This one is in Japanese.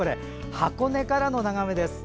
箱根からの眺めです。